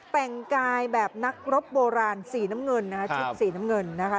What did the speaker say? แต่งกายแบบนักรบโบราณสีน้ำเงินนะคะชุดสีน้ำเงินนะคะ